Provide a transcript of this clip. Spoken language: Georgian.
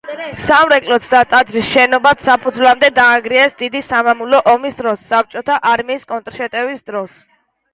სამრეკლოც და ტაძრის შენობაც საფუძვლამდე დაანგრიეს დიდი სამამულო ომის დროს საბჭოთა არმიის კონტრშეტევის დროს.